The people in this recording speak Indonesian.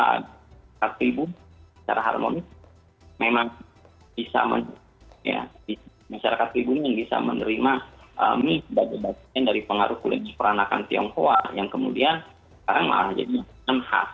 masyarakat ibu secara harmonis memang bisa menerima mie dari pengaruh kuliner peran tiongkok yang kemudian malah menjadi enam khas